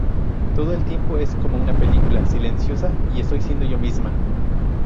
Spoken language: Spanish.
Todo el tiempo es como una película silenciosa y estoy siendo yo misma.